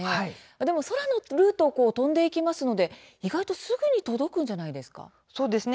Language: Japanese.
でも空のルートを飛んで行きますので意外と、すぐに届くんじゃないんですか？